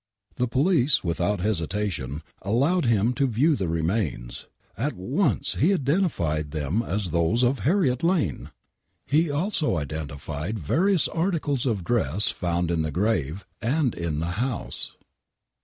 The police without hesitation allowed him to view the remains. He at once identified them as those of Harriet Lane !!! He also identified various articles of dress found in the grave and in the house.